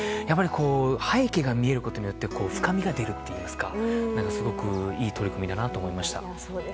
背景が見えることによって深みが出るといいますかすごくいい取り組みだなと思いました。